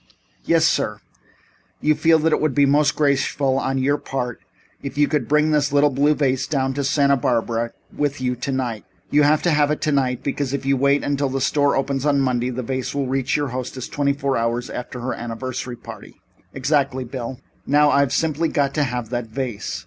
"Yes, sir. You feel that it would be most graceful on your part if you could bring this little blue vase down to Santa Barbara with you tonight. You have to have it tonight, because if you wait until the store opens on Monday the vase will reach your hostess twenty four hours after her anniversary party." "Exactly, Bill. Now, I've simply got to have that vase.